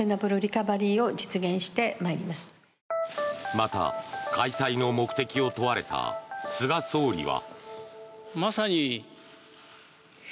また、開催の目的を問われた菅総理は。